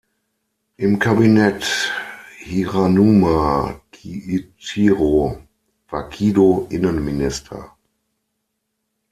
Im Kabinett Hiranuma Kiichirō war Kido Innenminister.